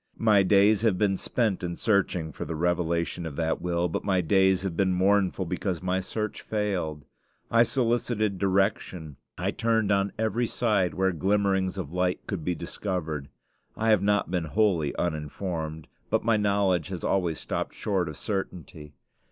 My days have been spent in searching for the revelation of that will; but my days have been mournful, because my search failed. I solicited direction; I turned on every side where glimmerings of light could be discovered. I have not been wholly uninformed; but my knowledge has always stopped short of certainty.